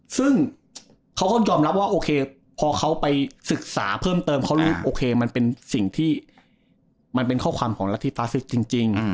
ซึ่งเขาก็ยอมรับว่าโอเคพอเขาไปศึกษาเพิ่มเติมเขารู้โอเคมันเป็นสิ่งที่มันเป็นข้อความของรัฐธิฟาซิสจริง